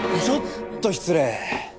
ちょっと失礼。